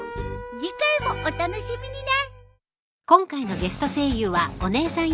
次回もお楽しみにね。